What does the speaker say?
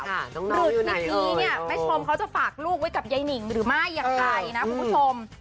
อาทิตย์นี้เนี่ยแม่ชมเขาจะฝากลูกไว้กับยายหนิงหรือไม่อย่างไรนะคุณผู้ชม